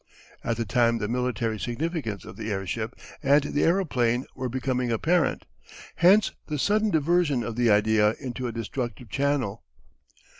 At the time the military significance of the airship and the aeroplane were becoming apparent; hence the sudden diversion of the idea into a destructive channel.